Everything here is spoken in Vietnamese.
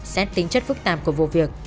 xét tính chất phức tạp của vụ việc